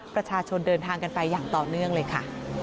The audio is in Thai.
ประชาชนเดินทางกันไปอย่างต่อเนื่องเลยค่ะ